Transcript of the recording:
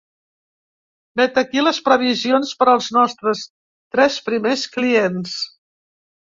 Vet aquí les previsions per als nostres tres primers clients.